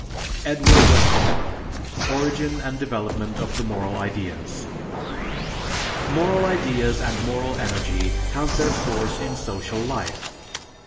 (Edward Westermarck: "Origin and Development of the Moral Ideas.") Moral ideas and moral energy have their source in social life.